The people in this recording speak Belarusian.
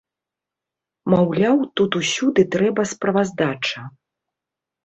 Маўляў, тут усюды трэба справаздача.